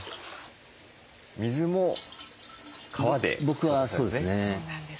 水も川で？